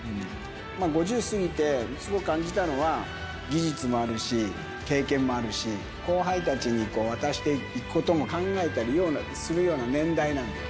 ５０過ぎて、すごい感じたのは、技術もあるし、経験もあるし、後輩たちに渡していくことも考えたりするような年代なのよ。